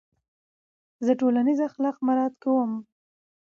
زه ټولنیز اخلاق مراعت کوم.